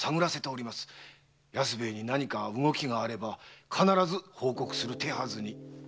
安兵衛に何か動きがあれば必ず報告する手はずに。